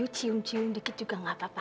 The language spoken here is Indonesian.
cium cium dikit juga gak apa apa